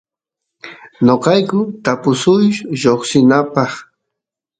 noqayku tapusuysh lloksinapaq